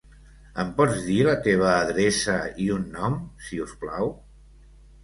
Em pots dir la teva adreça i un nom, si us plau?